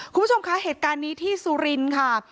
คุณผู้ชมคะเหตุการณ์นี้ที่สุรินทร์ค่ะ